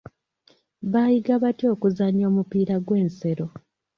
Baayiga batya okuzannya omupiira gw'ensero?